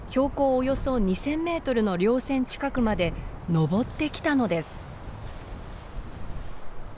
およそ２，０００メートルの稜線近くまでのぼってきたのです。